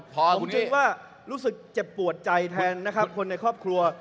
ผมคิดว่ารู้สึกเจ็บปวดใจแทนนะครับคนในครอบครัว